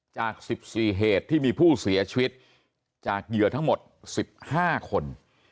จาก๑๔เหตุที่มีผู้เสียชีวิตจากเหยื่อทั้งหมด๑๕คน